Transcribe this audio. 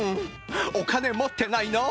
お金持ってないの？